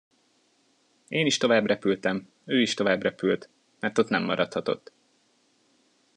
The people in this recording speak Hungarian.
Én is továbbrepültem, ő is továbbrepült, mert ott nem maradhatott.